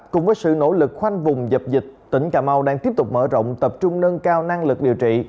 cùng với sự nỗ lực khoanh vùng dập dịch tỉnh cà mau đang tiếp tục mở rộng tập trung nâng cao năng lực điều trị